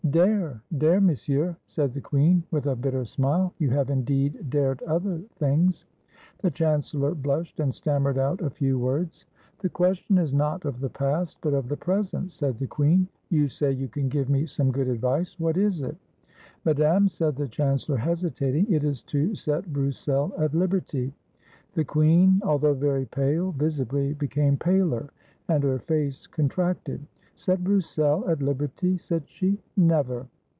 "Dare, dare. Monsieur," said the queen, with a bitter smile; "yo^ have, indeed, dared other things." The chancellor blushed, and stammered out a few words. "The question is not of the past, but of the present," said the queen. "You say you can give me some good advice; what is it?" "Madame," said the chancellor, hesitating, "it is to set Broussel at liberty." The queen, although very pale, visibly became paler, and her face contracted. "Set Broussel at liberty!" said she; "never!"